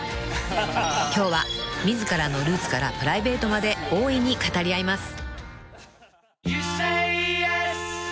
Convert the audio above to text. ［今日は自らのルーツからプライベートまで大いに語り合います］